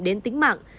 đến tính mạng